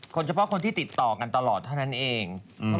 เฉพาะคนที่ติดต่อกันตลอดเท่านั้นเอง